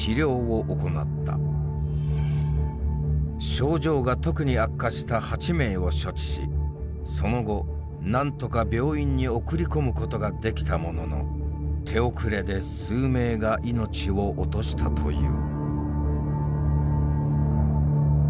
症状が特に悪化した８名を処置しその後何とか病院に送り込むことができたものの手遅れで数名が命を落としたという。